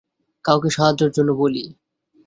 কাউকে সাহায্যের জন্য বলি।